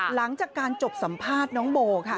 หลังจากการจบสัมภาษณ์น้องโบค่ะ